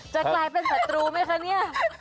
จะกลายเป็นศัตรูไหมคะเนี่ย